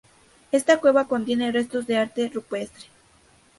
Esta cueva contiene restos de arte rupestre.